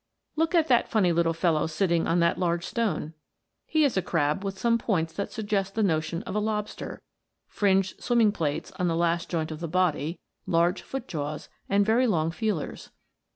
Look at that funny little fellow sitting on that large stone. He is a crab with some points that suggest the notion of a lobster fringed swimming plates on the last joint of the body, large foot jaws, and very long feelers.